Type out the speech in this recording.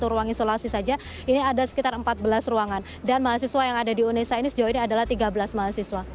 ruang isolasi saja ini ada sekitar empat belas ruangan dan mahasiswa yang ada di unesa ini sejauh ini adalah tiga belas mahasiswa